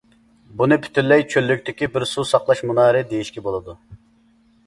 بۇنى پۈتۈنلەي چۆللۈكتىكى بىر سۇ ساقلاش مۇنارى دېيىشكە بولىدۇ.